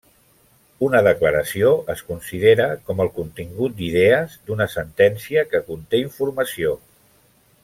Una declaració es considera com el contingut d'idees d'una sentència que conté informació.